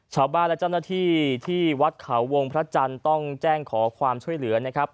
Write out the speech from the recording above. ชาวบ้านและเจ้าหน้าที่ที่วัดเขาวงพระจันทร์ต้องแจ้งขอความช่วยเหลือนะครับ